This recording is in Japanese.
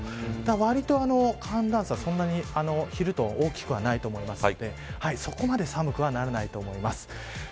わりと寒暖差、そんなに昼と大きくはないと思いますのでそこまで寒くはならないと思います。